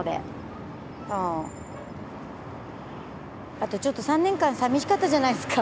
あとちょっと３年間さみしかったじゃないですか。